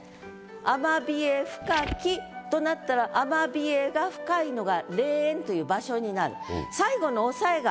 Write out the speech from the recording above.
「雨冷深き」となったら雨冷が深いのが「霊園」という場所になる。